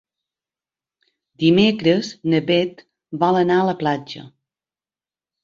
Dimecres na Beth vol anar a la platja.